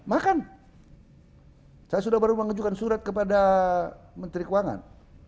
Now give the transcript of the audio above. makan saya sudah baru menunjukkan surat kepada menteri keuangan